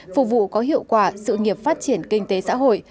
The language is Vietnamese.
phục vụ có hiệu quả sự nghiệp phát triển kinh tế xã hội